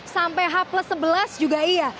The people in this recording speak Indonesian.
sampai h plus sebelas juga iya